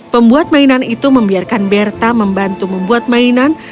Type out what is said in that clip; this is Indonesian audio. pembuat mainan itu membiarkan berta membantu membuat mainan